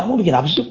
mau bikin apa sih cuk